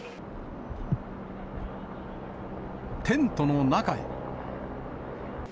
テントの中へ。